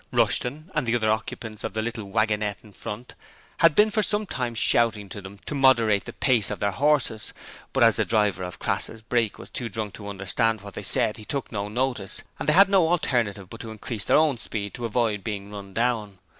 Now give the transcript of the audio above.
Rushton and the other occupants of the little wagonette in front had been for some time shouting to them to moderate the pace of their horses, but as the driver of Crass's brake was too drunk to understand what they said he took no notice, and they had no alternative but to increase their own speed to avoid being run down.